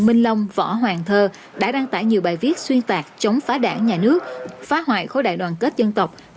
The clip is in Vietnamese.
minh long võ hoàng thơ đã đăng tải nhiều bài viết xuyên tạc chống phá đảng nhà nước phá hoại khối đại đoàn kết dân tộc